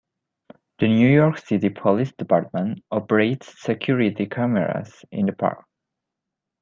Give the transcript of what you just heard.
The New York City Police Department operates security cameras in the park.